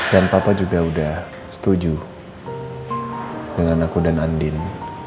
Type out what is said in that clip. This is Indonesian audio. dan papa juga udah setuju dengan aku dan andin